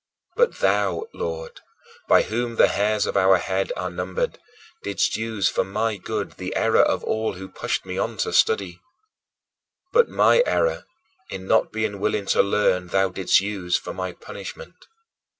But thou, Lord, by whom the hairs of our head are numbered, didst use for my good the error of all who pushed me on to study: but my error in not being willing to learn thou didst use for my punishment.